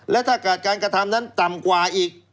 และถ้าเกิดการกระทำนั้นต่ำกว่าอีก